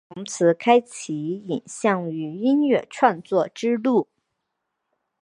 从此开启影像与音乐创作之路。